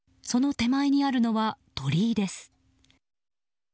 その手前にあるのは鳥居です。